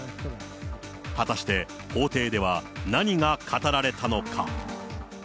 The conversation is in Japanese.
果たして法廷では何が語られたのか。